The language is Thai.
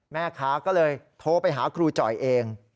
แม่ค้าก็เลยโทรไปหาครูจ่อยเอง